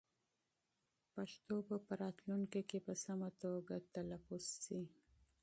پښتو به په راتلونکي کې په سمه توګه تلفظ شي.